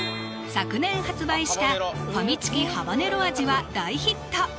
昨年発売したファミチキハバネロ味は大ヒット！